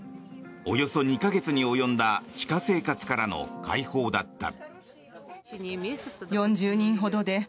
およそ２か月に及んだ地下生活からの解放だった。